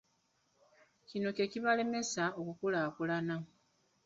Kino kye kibalemesezza okukulaakulana.